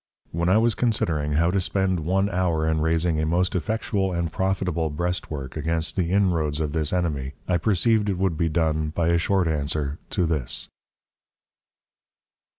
When I was considering, how to spend one Hour in Raising a most Effectual and Profitable Breast work, against the inroads of this Enemy, I perceived it would be done, by a short answer to this.